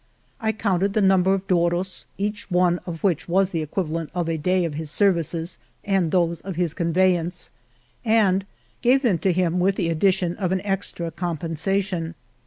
I counted the number of douros, each one of which was the equivalent of a day of his ser vices and those of his conveyance, and gave 175 The Morena them to him with the addition of an extra compensation.